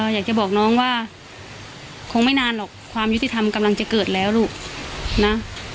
อยากจะบอกน้องว่าคงไม่นานหรอกความยุติธรรมกำลังจะเกิดแล้วลูกนะ